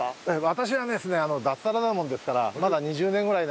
私はですね脱サラなもんですから長い！